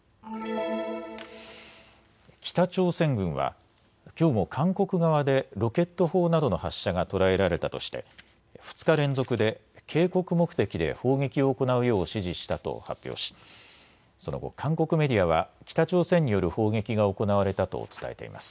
北朝鮮軍はきょうも韓国側でロケット砲などの発射が捉えられたとして２日連続で警告目的で砲撃を行うよう指示したと発表しその後、韓国メディアは北朝鮮による砲撃が行われたと伝えています。